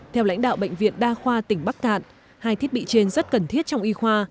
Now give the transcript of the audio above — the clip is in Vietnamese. theo lãnh đạo bệnh viện đa khoa tỉnh bắc cạn hai thiết bị trên rất cần thiết trong y khoa